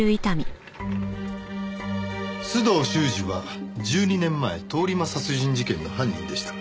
須藤修史は１２年前通り魔殺人事件の犯人でした。